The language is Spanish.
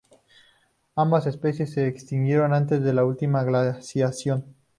Ambas especies se extinguieron antes de la última glaciación.